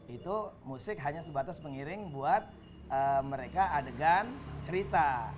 itu musik hanya sebatas pengiring buat mereka adegan cerita